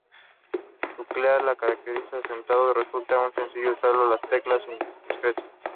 Teclear los caracteres acentuados resulta más sencillo usando las teclas inertes.